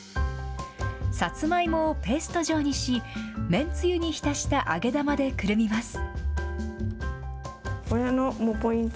さつまいもをペースト状にし、麺つゆに浸した揚げ玉でくるみます。